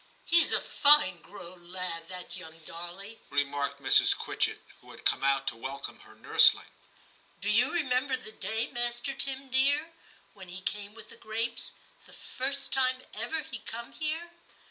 * He's a fine growed lad, that young Darley,' remarked Mrs. Quitchett, who had come out to welcome her nursling ;* do you remember the day. Master Tim dear, when he came with the grapes, the first time ever he come here